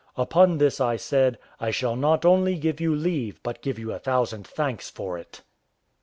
Upon this I said, "I shall not only give you leave, but give you a thousand thanks for it."